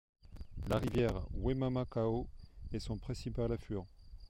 La rivière Waimamakau est son principal affluent.